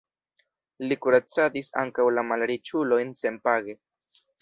Li kuracadis ankaŭ la malriĉulojn senpage.